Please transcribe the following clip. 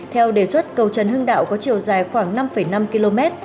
theo đề xuất cầu trần hưng đạo có chiều dài khoảng năm năm km